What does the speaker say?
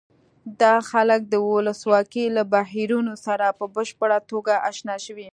دا خلک د ولسواکۍ له بهیرونو سره په بشپړه توګه اشنا شوي.